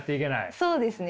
そうですね。